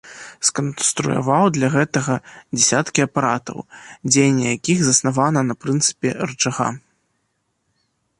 Сканструяваў для гэтага дзясяткі апаратаў, дзеянне якіх заснавана на прынцыпе рычага.